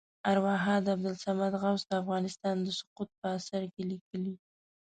ارواښاد عبدالصمد غوث د افغانستان د سقوط په اثر کې لیکلي.